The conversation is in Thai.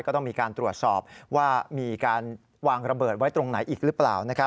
ก็ต้องมีการตรวจสอบว่ามีการวางระเบิดไว้ตรงไหนอีกหรือเปล่า